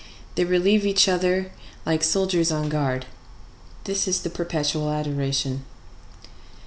They relieve each other like soldiers on guard. This is the Perpetual Adoration.